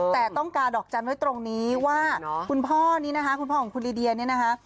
แต่ต้องการดอกจำด้วยตรงนี้ว่าคุณพ่อของคุณลีเดียนเนี่ยนะคะ